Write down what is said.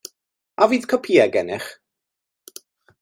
A fydd copïau gennych?